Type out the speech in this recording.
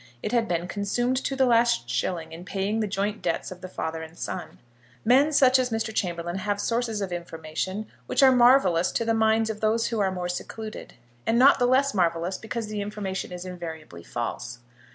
It had been consumed to the last shilling in paying the joint debts of the father and son. Men such as Mr. Chamberlaine have sources of information which are marvellous to the minds of those who are more secluded, and not the less marvellous because the information is invariably false.